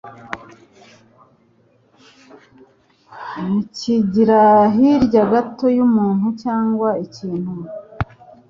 Kwigira hirya gato y'umuntu cyangwa ikintu.